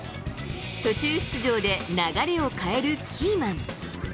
途中出場で流れを変えるキーマン。